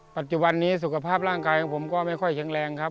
ปัจจุบันนี้สุขภาพร่างกายของผมก็ไม่ค่อยแข็งแรงครับ